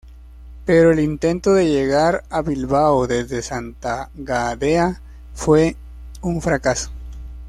Pero el intento de llegar a Bilbao desde Santa Gadea fue un fracaso.